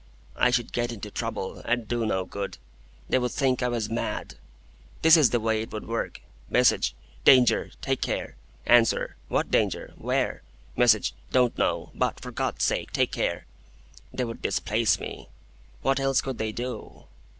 "I should get into trouble, and do no good. They would think I was mad. This is the way it would work,—Message: 'Danger! Take care!' Answer: 'What Danger? Where?' Message: 'Don't know. But, for God's sake, take care!' They would displace me. What else could they do?"